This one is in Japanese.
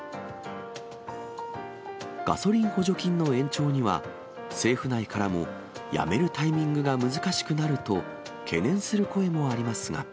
ガソリン補助金の延長には政府内からもやめるタイミングが難しくなると懸念する声もありますが。